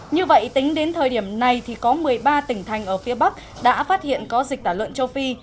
như vậy tính đến thời điểm này thì có một mươi ba tỉnh thành ở phía bắc đã phát hiện có dịch tả lợn châu phi